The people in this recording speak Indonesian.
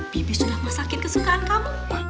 bibi sudah masakin kesukaan kamu